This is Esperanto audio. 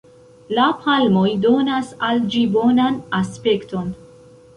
La palmoj donas al ĝi bonan aspekton.